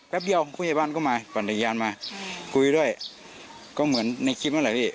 แป๊บเดียวผู้ใหญ่บ้านก็มาปั่นระยานมาคุยด้วยก็เหมือนในคลิปเมื่อไหร่ดิ